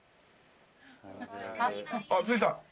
あっ着いた。